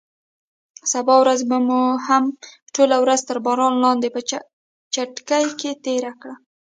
سبا ورځ مو هم ټوله ورځ تر باران لاندې په چټکۍ تېره کړه.